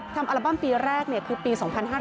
อัลบั้มปีแรกคือปี๒๕๕๙